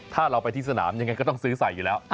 ถ้าเราไปที่สนามยังไงก็ต้องซื้อใส่อยู่แล้ว